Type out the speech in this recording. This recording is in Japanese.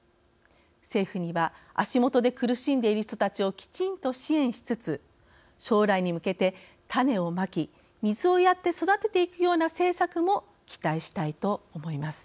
政府には足元で苦しんでいる人たちをきちんと支援しつつ将来に向けて種をまき水をやって育てていくような政策も期待したいと思います。